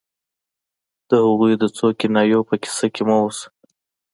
د هغوی د څو کنایو په کیسه کې مه اوسه